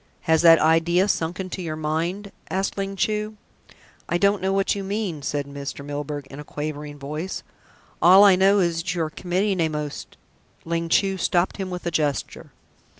"Has that idea sunk into your mind?" asked Ling Chu. "I don't know what you mean," said Mr. Milburgh in a quavering voice. "All I know is that you are committing a most " Ling Chu stopped him with a gesture.